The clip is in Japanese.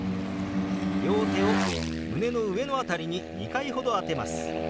両手を胸の上の辺りに２回ほど当てます。